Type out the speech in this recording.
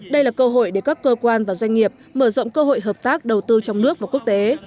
đây là cơ hội để các cơ quan và doanh nghiệp mở rộng cơ hội hợp tác đầu tư trong nước và quốc tế